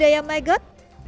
hewahan juga men frogs